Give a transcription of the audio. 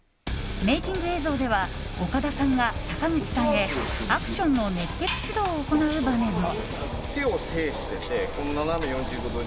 メイキング映像では岡田さんが坂口さんへアクションの熱血指導を行う場面も。